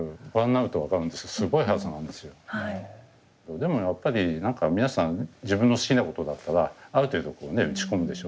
でもやっぱり何か皆さん自分の好きなことだったらある程度こうね打ち込むでしょ？